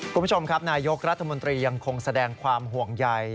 คุณผู้ชมครับนายกรัฐมนตรียังคงแสดงความห่วงใย